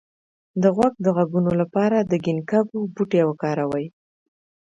د غوږ د غږونو لپاره د ګینکګو بوټی وکاروئ